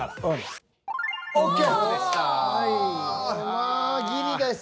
ああギリです。